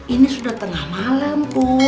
ini sudah tengah malam